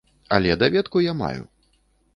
Але даведку я маю.